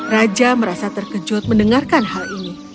raja merasa terkejut mendengarkan hal ini